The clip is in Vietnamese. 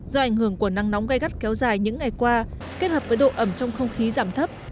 do ảnh hưởng của nắng nóng gây gắt kéo dài những ngày qua kết hợp với độ ẩm trong không khí giảm thấp